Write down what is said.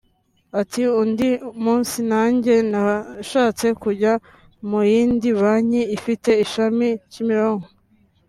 Ati “Undi munsi nanjye nashatse kujya mu yindi banki ifite ishami Kimironko